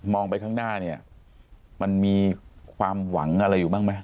ไปข้างหน้าเนี่ยมันมีความหวังอะไรอยู่บ้างไหม